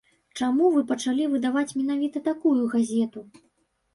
Чаму вы пачалі выдаваць менавіта такую газету?